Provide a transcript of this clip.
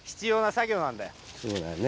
そうだね。